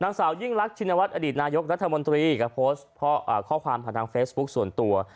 นางสาวยิ่งรักชินวัฒนอดีตนายกรัฐมนตรีก็โพสต์ข้อความผ่านทางเฟซบุ๊คส่วนตัว